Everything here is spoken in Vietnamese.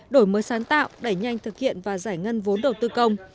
đổi mới sáng tạo đẩy nhanh thực hiện và giải ngân vốn đầu tư công